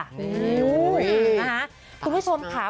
อุ้ยอุ้ยคุณผู้ชมขา